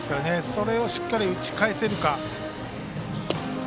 それをしっかり打ち返せるか。